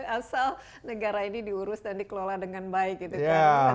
asal negara ini diurus dan dikelola dengan baik